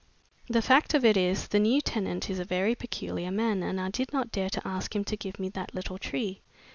The fact of it is, the new tenant is a very peculiar man and I did not dare to ask him to give me that little tree.